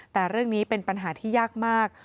แต่เรื่องนี้เป็นปัญหาที่ยากมาก